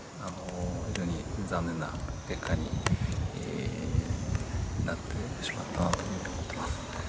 非常に残念な結果になってしまったと思ってます。